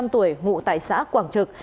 ba mươi năm tuổi ngụ tại xã quảng trực